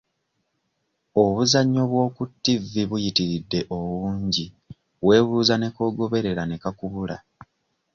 Obuzannyo bw'oku ttivi buyitiridde obungi weebuuza ne k'ogoberera ne kakubula.